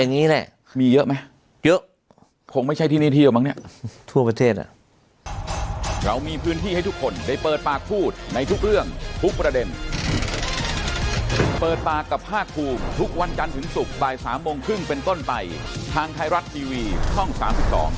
อย่างนี้แหละมีเยอะไหมเยอะคงไม่ใช่ที่นี่เที่ยวมั้งเนี่ยทั่วประเทศอ่ะ